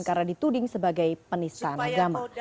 karena dituding sebagai penistaan agama